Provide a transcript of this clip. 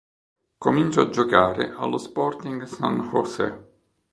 Comincia a giocare allo Sporting San José.